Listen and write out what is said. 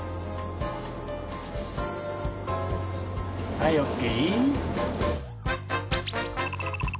はいＯＫ。